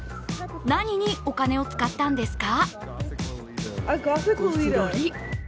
何にお金を使ったんですか？